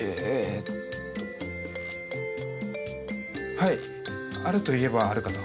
はいあるといえばあるかと。